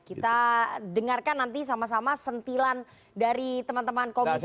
kita dengarkan nanti sama sama sentilan dari teman teman komisi